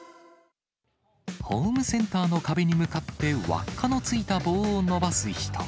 ホームセンターの壁に向かって輪っかのついた棒を伸ばす人。